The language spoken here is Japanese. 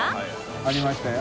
ありましたよ。